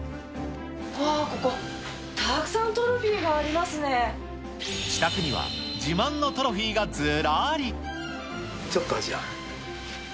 うわー、ここ、たくさんトロ自宅には自慢のトロフィーがちょっと、じゃあ。